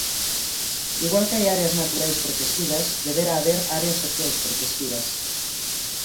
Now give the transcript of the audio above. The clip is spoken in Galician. Igual que hai áreas naturais protexidas debera haber áreas sociais protexidas.